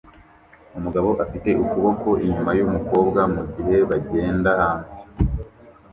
Umugabo afite ukuboko inyuma yumukobwa mugihe bagenda hanze